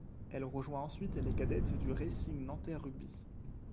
Elle rejoint ensuite les cadettes du Racing Nanterre Rugby.